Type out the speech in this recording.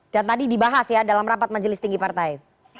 dan tadi dibahas ya dalam rapat majelis tinggi partai